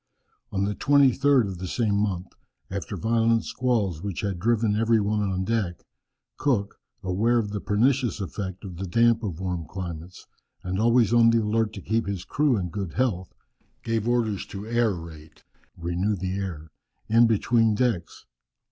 On the 23rd of the same month, after violent squalls which had driven every one on deck, Cook, aware of the pernicious effect of the damp of warm climates, and always on the alert to keep his crew in good health, gave orders to aerate (renew the air) in the between decks.